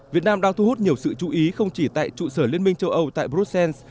việt nam đang thu hút nhiều sự chú ý không chỉ tại trụ sở liên minh châu âu tại brussels